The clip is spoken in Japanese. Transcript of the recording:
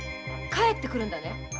帰ってくるんだね？